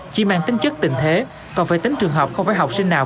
chỉ mang tính chất tình thế còn về tính trường học không phải học sinh nào